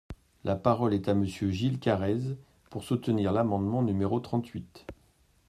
La parole est à Monsieur Gilles Carrez, pour soutenir l’amendement numéro trente-huit.